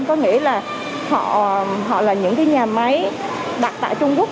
có nghĩa là họ là những cái nhà máy đặt tại trung quốc